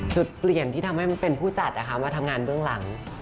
จุดเปลี่ยนที่ทำให้มันเป็นผู้จัดมาทำงานเบื้องหลัง